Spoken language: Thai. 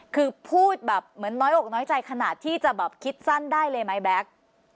คือพูดแบบเหมือนน้อยอกน้อยใจขนาดที่จะแบบคิดสั้นได้เลยไหมแบ็ค